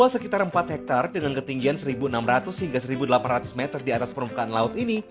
luas sekitar empat hektare dengan ketinggian seribu enam ratus hingga satu delapan ratus meter di atas permukaan laut ini